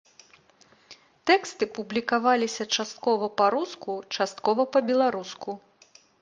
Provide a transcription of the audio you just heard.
Тэксты публікаваліся часткова па-руску, часткова па-беларуску.